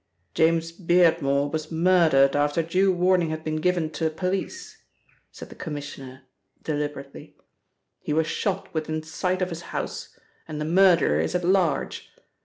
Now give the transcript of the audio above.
"James Beardmore was murdered after due warning had been given to the police," said the Commissioner deliberately. "He was shot within sight of his house, and the murderer is at large.